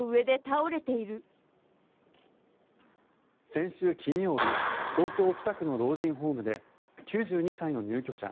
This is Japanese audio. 先週金曜日東京・北区の老人ホームで９２歳の入居者